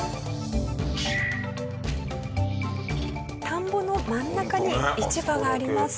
田んぼの真ん中に市場があります。